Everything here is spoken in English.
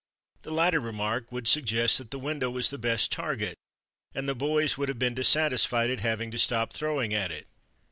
The latter remark would suggest that the window was the best target and the boys would have been dissatisfied at having to stop throwing at it."